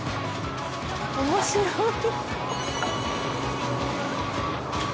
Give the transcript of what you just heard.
面白い。